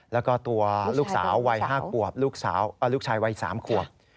แล้วก็ตัวลูกสาววัย๕ขวบลูกชายวัย๓ขวบ